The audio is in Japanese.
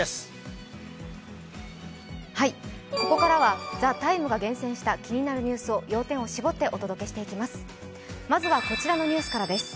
ここからは「ＴＨＥＴＩＭＥ，」が厳選した気になるニュースを要点を絞ってお届けしていきます。